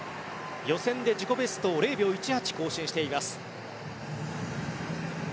予選で自己ベストを０秒１８更新しています。